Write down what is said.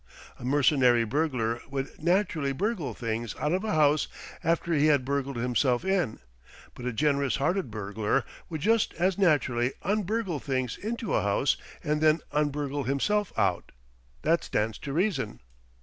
A mercenary burglar would naturally burgle things out of a house after he had burgled himself in, but a generous hearted burglar would just as naturally un burgle things into a house and then un burgle himself out. That stands to reason."